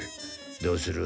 どうする？